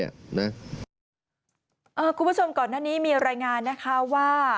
คุณผู้ชมก่อนหน้านี้มีรายงานนะคะว่า